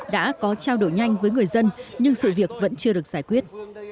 đã có trao đổi nhanh với người dân nhưng sự việc vẫn chưa được giải quyết